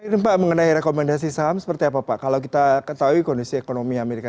ini pak mengenai rekomendasi saham seperti apa pak kalau kita ketahui kondisi ekonomi amerika